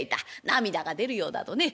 涙が出るようだとね。